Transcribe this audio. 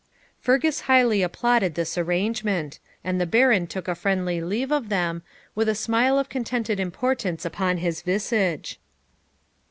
Fergus highly applauded this arrangement; and the Baron took a friendly leave of them, with a smile of contented importance upon his visage.